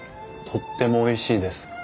とってもおいしいです。